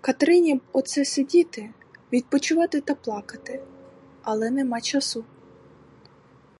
Катерині б оце сидіти, відпочивати та плакати, але нема часу.